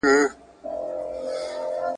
خاوري کېږې دا منمه خو د روح مطلب بل څه دی `